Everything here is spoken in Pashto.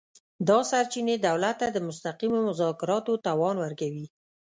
دا سرچینې دولت ته د مستقیمو مذاکراتو توان ورکوي